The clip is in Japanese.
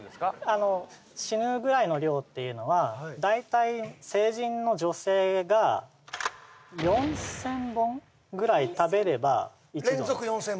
あの死ぬぐらいの量っていうのは大体成人の女性が４０００本ぐらい食べれば連続４０００本？